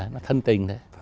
nó thân tình thế